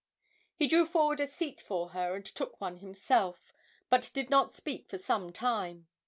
He drew forward a seat for her and took one himself, but did not speak for some time.